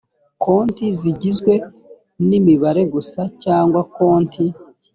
konti zigizwe n imibare gusa cyangwa konti